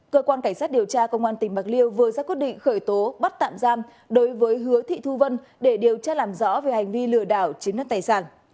cơ quan cảnh sát điều tra công an tỉnh bạc liêu vừa ra quyết định khởi tố bắt tạm giam đối với hứa thị thu vân để điều tra làm rõ về hành vi lừa đảo chiếm đất tài sản